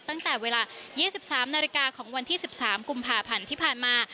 ตั้งแต่เวลา๒๓นาฬิกาของวันที่๑๓กุมภาพันธ์ที่ผ่านมา